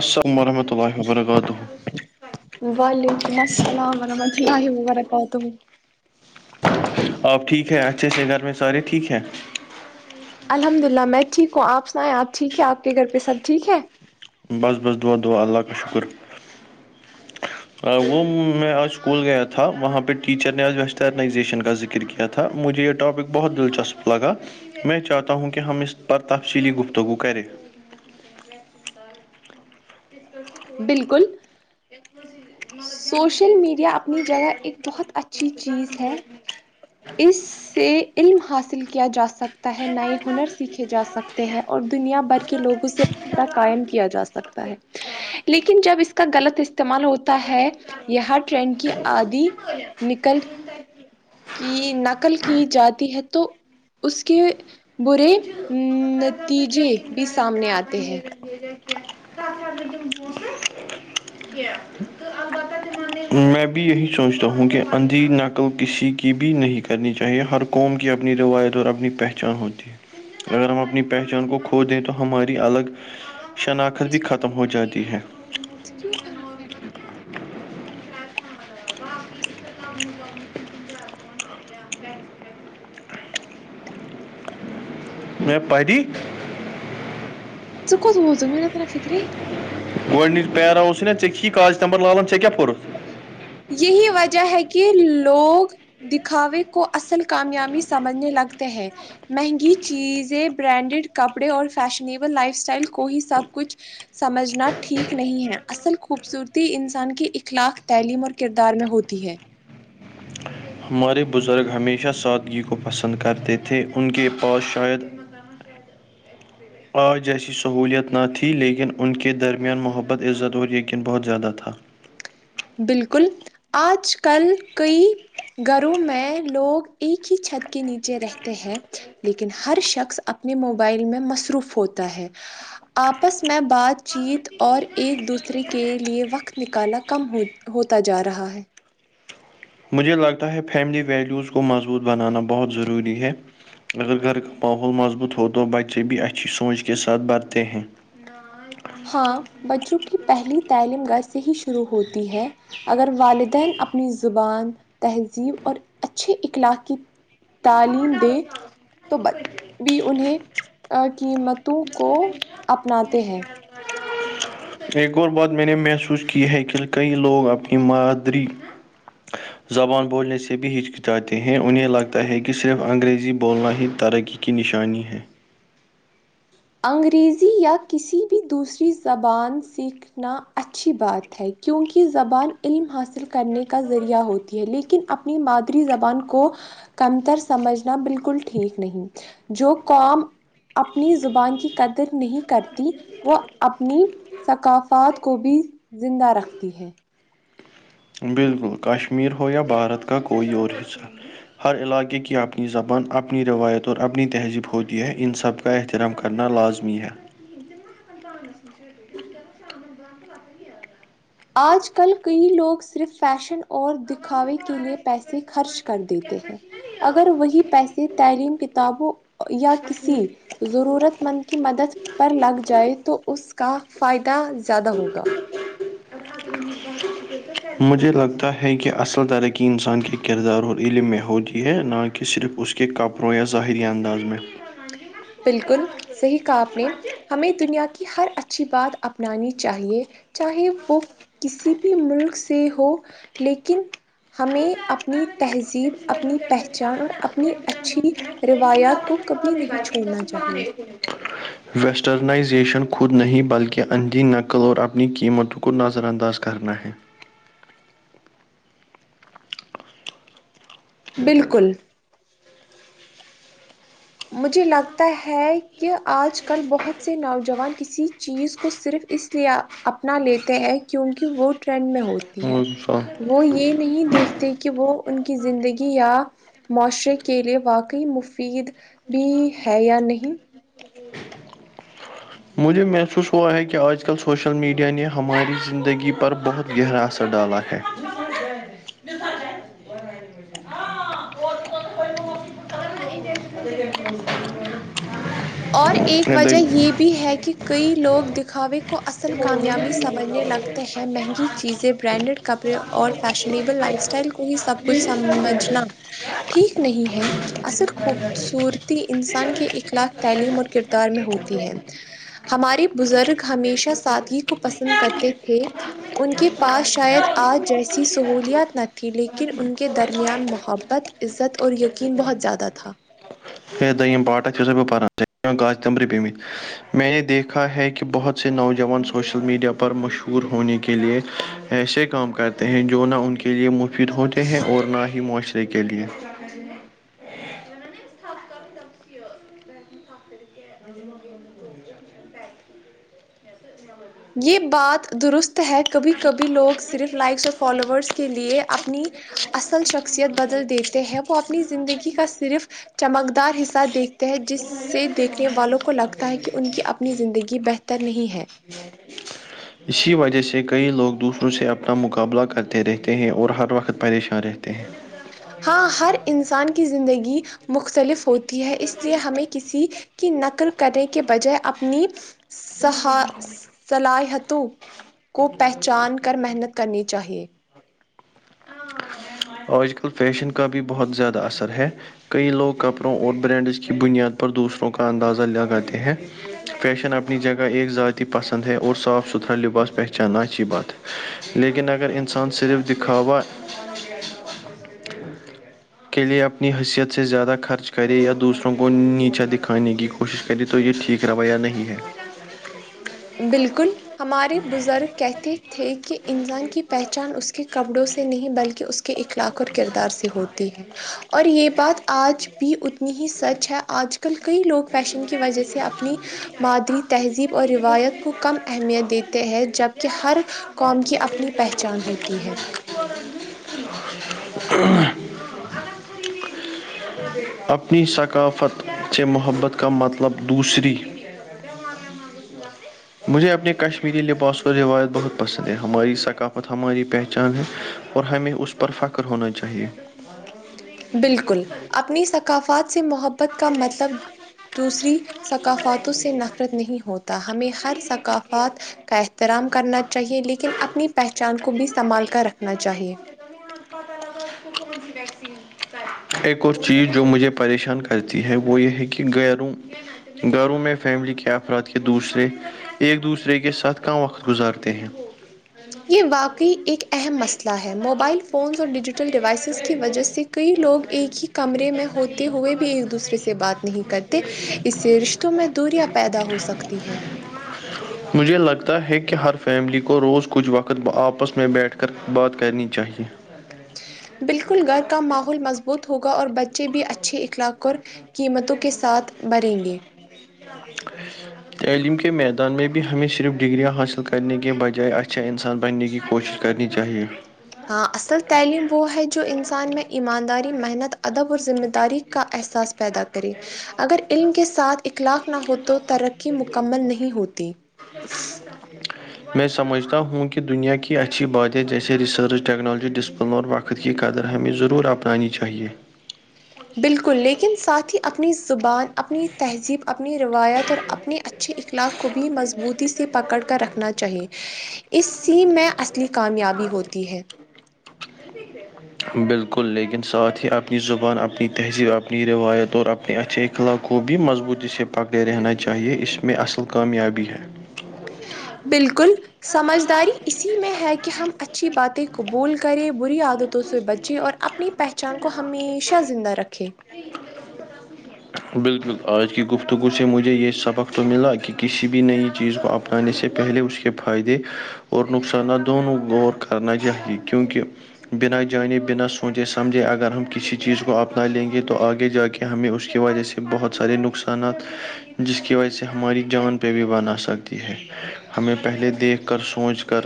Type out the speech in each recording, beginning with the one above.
السلام ورحمۃ اللہ و برکاتہ وعلیکم السلام و رحمۃ البرہ کہ ت آپ ٹھیک ہے اچھے سے گھر میں سارے ٹھیک ہے الحمد للہ میں ٹھیک ہوں آپ سنائیں آپ ٹھیک ہے آپ کے گھر پہ سب ٹھیک ہے بس بس دعا دعا اللہ کا شکر وہ میں آج اسکول گیا تھا وہاں پہ ٹیچر نےج وزیشن کا ذکر کیا تھا مجھے یہ ٹاپک بہت دلچسپ لگا میں چاہتا ہوں کہ ہم اس پر تفصیلی گفتگو کریں [unintelligible] [inaudible] بالکل سوشل میڈیا اپنی جگہ ایک بہت اچھی چیز ہے اس سے علم حاصل کیا جا سک تح نئے ہنر سیکھے جا سکتے ہیں اور دنیا بھر کے لوگوں سےہ قائم کیا جا سکتا ہے لیکن جب اس کا غلط استعمال ہوتا ہے یہ ٹرینڈ کی آدھی نکل [unintelligible] [inaudible] کی نقل کی جاتی ہے تو اس کے برے ا تیجے بھی سامنے آتے ہیں یہ کیا تگر دن بٹے [unintelligible] میں بھی یہی سوچتا ہوں کہ اندھیری نقل کسی کی بھی نہیں کرنی چاہیے ہر قوم کی اپنی روایت اور اپنی پہچان ہوتی ہے اگر ہم اپنی پہچان کو کھو دیں تو ہماری الگ شناخت بھی ختم ہو جاتی ہے کیوں با [inaudible] [unintelligible] [inaudible] میں پ دیی [unintelligible] ہ [inaudible] کت ہوت میں نےر فکر گڈنیچ پیراے نا چھی کاغج تمب لان چ کیا پورت یہی وجہ ہے کہ لوگ دکھاوے کو اصل کامیابی سمجھنے لگتے ہیں مہنگی چیزیں برانڈیڈ کپڑے اور فیشنیبل لائف اسٹائل کو ہی سب کچھ سمجھنا ٹھیک نہیں ہے اصل خوبصورتی انسان کی ایک اخلاق تعلیم اور کردار میں ہوتی ہے ہمارے بزرگ ہمیشہ سادگی کو پسند کرتے تھے ان کے پاس شاید نم [unintelligible] آج جیسی سہولیت نہ تھی لیکن ان کے درمیان محبت عزت اور یقین بہت زیادہ تھا بالکل آج کل کئی گھروں میں لوگ ایک ہی چھت کے نیچے رہتے ہیں لیکن ہر شخص اپنے موبائل میں مصروف ہوتا ہے آپس میں بات چیت اور ایک دوسرے کے لئے وقت نکالا کم ہو ہوتا جا رہا ہے مجھے لگتا ہے فیملی ویلیوز کو مضبوط بنانا بہت ضروری ہے اگر گھر کا ماحول مضبوط ہو تو بچے بھی اچھی سوچ کے ساتھ بڑھتے ہیں نہ [unintelligible] ہاں بچوں کی پہلی تعلیم گز سے ہی شروع ہوتی ہے اگر والدین اپنی زبان تہذیب اور اچھے اخلاق کی تعلیم د تو ب بھی انہیں قیمتوں کو اپناتے ہیں ایک اور بات میں نے محسوس کی ہے کہ کئی لوگ اپنی مادری زبان بولنے سے بھی ہچکچاتے ہیں انہیں لگتا ہے کہ صرف انگریزی بولنا ہی ترقی کی نشانی ہے انگریزی یا کسی بھی دوسری زبان سیکھ ن اچھی بات ہے کیونکہ زبان علم حاصل کرنے کا ذریعہ ہوتی ہے لیکن اب اپنی مادری زبان کو کمتر سمجھنا بالکل ٹھیک نہیں جو قوم اپنی زبان کی قدر نہیں کرتی وہ اپنی ثقافات کو بھی زندہ رکھتی ہے بالکل کشمیر ہو یا بھارت کا کوئی اور حصہ ہر علاقے کی اپنی زبان اپنی روایت اور اپنی تہذیب ہوتی ہے ان سب کا احترام کرنا لازمی ہے ک نہاکان پانگس م چھٹ کر شامن بندد پ آج کل کئی لوگ صرف فیشن اور دکھاوے کے لیے پیسے خرچ کر دیتے ہیں اگر وہی پیسے تعلیم کتابوں یا کسی ضرورت مند کی مدد پر لگ جائے تو اس کا فائدہ زیادہ ہوگا مجھے لگتا ہے کہ اصل ترقی انسان کے کردار اور علم میں ہوتی ہے نہ کہ صرف اس کی کہ کپ رو ظاہری انداز میں بالکل صحیح کہا اپ نے ہمیں دنیا کی ہر اچھی بات اپنانی چاہیے چاہے وہ کسی بھی ملک سے ہو لیکن ہمیں اپنی تہذیب اپنی پہچان اور اپنی اچھی روایات کو کبھی نہیں چھوڑنا چاہیے ویسٹرنائزیشن خود نہیں بلکہ اندھی نقل اور اپنی قیمتوں کو نظر انداز کرنا ہے بالکل مجھے لگتا ہے کہ آج کل بہت سے نوجوان کسی چیز کو صرف اس اپنا لیتے ہیں کیونکہ وہ ٹرینڈ میں ہوتی ہے اچھا وہ یہ نہیں دیکھتے کہ وہ ان کی زندگی یا معاشرے کے لیے واقعی مفید بھی ہے یا نہیں مجھے محسوس ہوا ہے کہ آج کل سوشل میڈیا نے ہماری زندگی پر بہت گہراسر ڈالا ہے اور ایک وجہ یہ بھی بھی ہے کہ کئی لوگ دکھاوے کو اصل کامیابی سمجھنے لگتے ہیں مہنگی چیزیں برانڈڈ کپڑے اور فیشنیبل لائف اسٹائل کو ہی سب کچھ سمجھنا ٹھیک نہیں ہے اصل خوبصورتی انسان کے اخلاق کے تعلیم اور کردار میں ہوتی ہے ہمارے بزرگ ہمیشہ سادگی کو پسند کرتے تھے ان کے پاس شاید آج جیسی سہولیات نہ تھی لیکن ان کے درمیان محبت عزت اور یقین بہت زیادہ تھا دم پاٹت سے ب پان گااز تمبری پمت میں نے دیکھا ہے کہ بہت سے نوجوان سوشل میڈیا پر مشہور ہونے کے لئے ایسے کام کرتے ہیں جو نہ ان کی کے لیے مفید ہوتے ہیں اور نہ ہی معاشرے کے لیے ن تھپپ س یہ بات درست ہے کبھی کبھی لوگ صرف لائکس اور فالوورس کے لیے اپنی اصل شخصیت بدل دیتے ہیں وہ اپنی زندگی کا صرف چمکدار حصہ دیکھتے ہیں جس سے دیکھنے والوں کو لگتا ہے کہ ان کی اپنی زندگی بہتر نہیں ہے ج اسی وجہ سے کئی لوگ دوسروں سے اپنا مقابلہ کرتے رہتے ہیں اور ہر وقت پریشان رہتے ہیں ہاں ہر انسان کی زندگی مختلف ہوتی ہے اس لیے ہمیں کسی کی نقل کرنے کے بجائے اپنی صلاحیتوں کو پہچان کر محنت کرنی چاہیے آج کل فیشن کا بھی بہت زیادہ اثر ہے کئی لوگ کپڑوں اور برنڈز کی بنیاد پر دوسروں کا اندازہ لگاتے ہیں فیشن اپنی جگہ ایک ذاتی پسند ہے اور صاف ستھرا لباس پہچاننا اچھی بات ہے لیکن اگر انسان صرف دکھاوا کے لیے اپنی حیثیت سے زیادہ خرچ کرے یا دوسروں کو نیچا دکھانے کی کوشش کرے تو یہ ٹھیک رویہ نہیں ہے بالکل ہمارے بزرگ کہتے تھے کہ انسان کی پہچان اس کے کپڑوں سے نہیں بلکہ اس کے اخلاق کر کردار سے ہوتی ہے اور یہ بات آج بھی اتنی ہی سچ ہے آج کل کئی لوگ فیشن کی وجہ سے اپنی مادری تہذیب اور روایت کو کم اہمیت دیتے ہیں جبکہ ہر قوم کی اپنی پہچان ہوتی ہے ہ اپنی ثقافت سے محبت کا مطلب دوسری مجھے اپنے کشمیری لباس و روایت بہت پسند ہے ہماری ثقافت ہماری پہچان ہے اور ہمیں اس پر فخر ہونا چاہیے بالکل اپنی ثقافات سے محبت کا مطلب دوسری ثقافتوں سے نفرت نہیں ہوتا ہمیں ہر ثقافت کا احترام کرنا چاہیے لیکن اپنی پہچان کو بھی سنبھال کر رکھنا چاہیے آ پتا لگا کون س ویکسینائے ایک اور چیز جو مجھے پریشان کرتی ہے وہ یہ ہے کہ غیرو گھروں میں فیملی کے افراد کے دوسرے ایک دوسرے کے ساتھ کم وقت گزارتے ہیں یہ واقعی ایک اہم مسئلہ ہے موبائل فونس اور ڈیجیٹل ڈیوائسیز کی وجہ سے کئی لوگ ایک ہی کمرے میں ہوتے ہوئے بھی ایک دوسرے سے بات نہیں کرتے اس سے رشتوں میں دوریاں پیدا ہو سکتی ہے مجھے لگتا ہے کہ ہر فیملی کو روز کچھ وقت آپس میں بیٹھ کر بات کرنی چاہیے ا بالکل گھر کا ماحول مضبوط ہوگا اور بچے بھی اچھے اخلاق اور قیمتوں کے ساتھ بھریں گے [inaudible] تعلیم کے میدان میں بھی ہمیں صرف ڈگگریاں حاصل کرنے کے بجائے اچھا انسان بننے کی کوشش کرنی چاہیے ہاں اصل تعلیم وہ ہے جو انسان میں ایمانداری محنت ادب اور ذمہ داری کا احساس پیدا کریں اگر علم کے ساتھ اخلاق نہ ہو تو ترقی مکمل نہیں ہوتی ج میں سمجھتا ہوں کہ دنیا کی اچھی بادیں جیسے ریسرچ ٹیکنالوجی ڈسپلور وقت وقت کی قدر ہمیں ضرور اپنانی چاہیے بالکل لیکن ساتھ ہی اپنی زبان اپنی تہذیب اپنی روایت اور اپنی اچھے اخلاق کو بھی مضبوطی سے پکڑ کر رکھنا چاہیے اس سیم میں اصلی کامیابی ہوتی ہے بالکل لیکن ساتھ ہی اپنی زبان اپنی تہذیب اپنی روایت اور اپنے اچھےخلا کو بھی مضبوطی سے پکڑے رہنا چاہیے اس میں اصل کامیابی ہے بالکل سمجھداری اسی میں ہے کہ ہم اچھی باتیں قبول کریں بری عادتوں سے بچیں اور اپنی پہچان کو ہمیشہ زندہ رکھے بالکل آج کی گفتگو سے مجھے یہ سبق تو ملا کہ کسی بھی نئی چیز کو اپنانے سے پہلے اس کی فائدے اور نقصانات دونوں غور کرنا چاہیئے کیونکہ بنا جانے بنا سوچے سمجھے اگر ہم کسی چیز کو اپنا لیں گے تو آگے جا کے ہمیں اس کی وجہ سے بہت سارے نقصانات جس کی وجہ سے ہماری جان پہ بھی بن آ سکتی ہے ہمیں پہلے دیکھ کر سوچ کر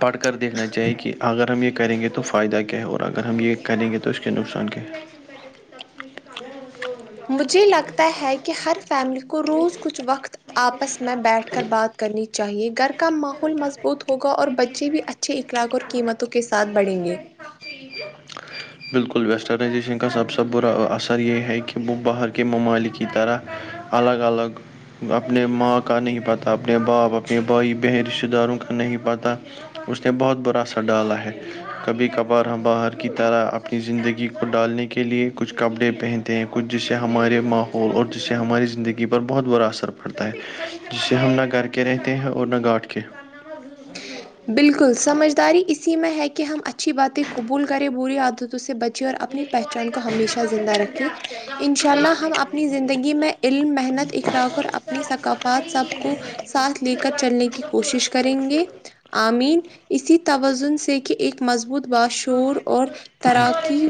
پڑھ کر دیکھنا چاہیے کہ اگر ہم یہ کریں گے تو فائدہ کیا ہے اور اگر ہم یہ کریں گے تو اس کے نقصان کے ہ مجھے لگتا ہے کہ ہر فیملی کو روز کچھ وقت آپس میں بیٹھ کر بات کرنی چاہیے گھر کا ماحول مضبوط ہوگا اور بچے بھی اچھے اخلاق اور قیمتوں کے ساتھ بڑھیں گے بالکل ویسٹرنائزیشن کا سب سے برا اثر یہ ہے کہ وہ باہر کے ممالک کی طرح الگ الگ اپنے ماں کا نہیں پاتا اپنے باپ اپنے بھائی بہن رشتہ داروں کا نہیں پاتا اس نے بہت برا اثر ڈالا ہے کبھی کبھار ہم باہر کی طرح اپنی زندگی کو ڈالنے کے لیے کچھ کپڑے پہنتے ہیں کچھ جسے ہمارے ماحول پول اور جس سے ہماری زندگی پر بہت برا اثر پڑتا ہے جس سے ہم نہ گھر کے رہتے ہیں اور نہ گاٹھ کے بالکل سمجھداری اسی میں ہے کہ ہم اچھی باتیں قبول کریں بری عادتوں سے بچ اور اپنی پہچان کو ہمیشہ زندہ رکھیں ان شاء اللہ ہم اپنی زندگی میں علم محنت اخلاق اور اپنی ثقافات سب کو ساتھ لے کر چلنے کی کوشش کریں گے آمین اسی توازن سے کیا ایک مضبوط باشور اور تیراکی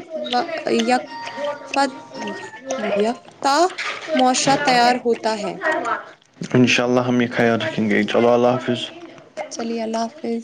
یک یافتہ معاشرہ تیار ہوتا ہے ان شاء اللہ ہمیں خیایر رکھن گئے چلو اللہ حافظ چلیے اللہ حافظ